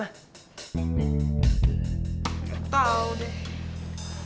gak tau deh